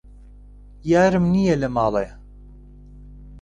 یارم نیە لە ماڵێ